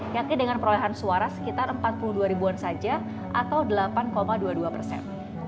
yakni dengan perolehan suara sekitar empat puluh dua ribu an saja atau delapan dua puluh dua persen